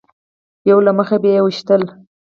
یو له مخې به یې ویشتل.